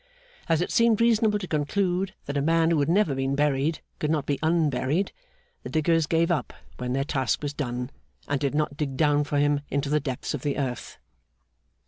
As it seemed reasonable to conclude that a man who had never been buried could not be unburied, the diggers gave him up when their task was done, and did not dig down for him into the depths of the earth.